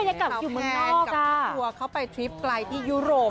อุ๊ยบรรยากาศอยู่เมืองนอกอ่ะสาวแพนกับพระทัวร์เข้าไปทริปไกลที่ยุโรป